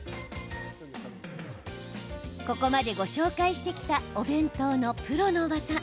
ここまで、ご紹介してきたお弁当のプロの技。